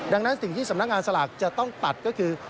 ดังนั้นสิ่งที่สำนักงานสลากจะต้องตัดก็คือ